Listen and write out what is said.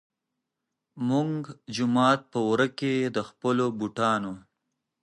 مونږ جومات پۀ ورۀ کښې د خپلو بوټانو